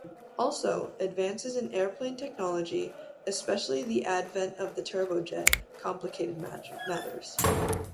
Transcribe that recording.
Also, advances in airplane technology, especially the advent of the turbojet, complicated matters.